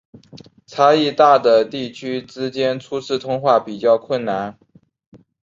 差异大的地区之间初次通话比较困难。